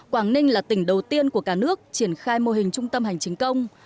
quảng ninh là tỉnh đầu tiên của cả nước triển khai mô hình trung tâm hành chính công